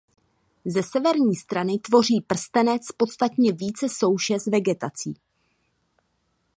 Ze severní strany tvoří prstenec podstatně více souše s vegetací.